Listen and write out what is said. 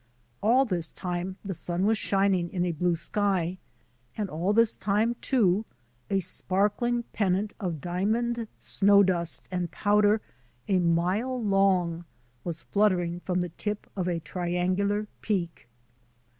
All this time the sun was shining in a blue sky; and all this time, too, a sparkling pennant of diamond snow dust and powder a mile long was fluttering from the tip of a triangular peak.